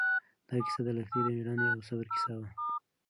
دا کیسه د لښتې د مېړانې او صبر کیسه وه.